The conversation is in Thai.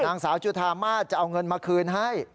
นางสาวจุธามาสจะเอาเงินมาคืนให้